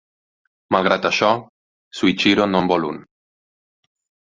Malgrat això, Shuichiro no en vol un.